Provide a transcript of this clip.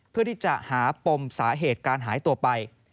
เพื่อที่จะหาปมสาเหตุการหายตัวไป